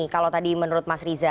kalau tadi menurut mas riza